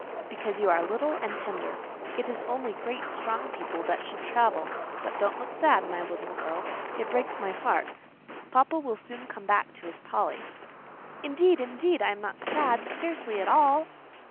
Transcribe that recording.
"Because you are little and tender. It is only great, strong people that should travel. But don't look sad, my little girl; it breaks my heart. Papa, will soon come back to his Polly." "Indeed, indeed, I am not sad, scarcely at all."